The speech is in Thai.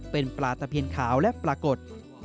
เป็นปลาตะเพียนขาวและปลากด